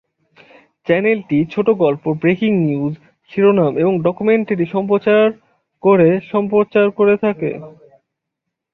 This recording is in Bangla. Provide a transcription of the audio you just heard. চ্যানেলটি ছোট গল্প, ব্রেকিং নিউজ, শিরোনাম এবং ডকুমেন্টারি সম্প্রচার করে সম্প্রচার করে থাকে।